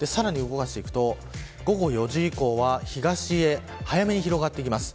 さらに動かしていくと午後４時以降は東へ早めに広がってきます。